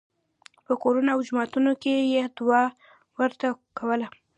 په کورونو او جوماتونو کې یې دعا ورته کوله.